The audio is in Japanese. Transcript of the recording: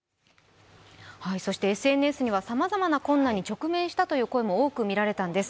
ＳＮＳにはさまざまな困難に直面したという声が多く見られたんです。